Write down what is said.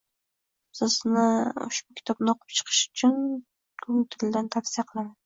Sizga ushbu kitobni oʻqib chiqishni chin koʻngildan tavsiya qilaman.